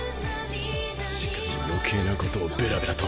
しかし余計なことをベラベラと。